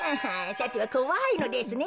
さてはこわいのですね